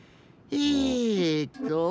えっと。